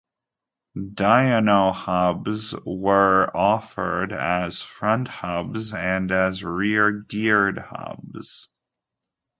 Dynohubs were offered as front hubs and as rear geared hubs.